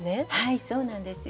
そうなんです。